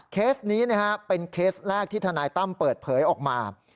เคสนี้เป็นเคสแรกที่ทนายตั้มเปิดเผยออกมา